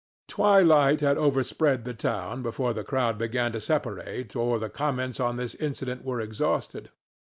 Twilight had overspread the town before the crowd began to separate or the comments on this incident were exhausted.